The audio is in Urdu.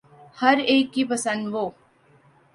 ہر ایک کی پسند و